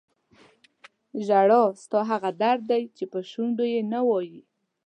ژړل ستا هغه درد دی چې په شونډو یې نه وایې.